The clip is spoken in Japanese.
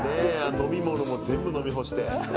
飲み物も全部飲み干して。